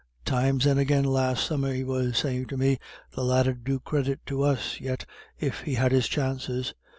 "Times and agin last summer he was sayin' to me the lad 'ud do credit to us yet if he had his chances.